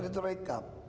kan itu rekap